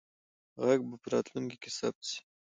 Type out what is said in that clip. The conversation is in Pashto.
غږ به په راتلونکي کې ثبت سي.